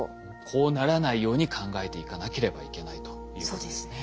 こうならないように考えていかなければいけないということですね。